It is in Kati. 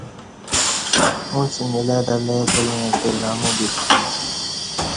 اُݩڅ نیلہ تہ لئ پلݣتے عمو بِسیوم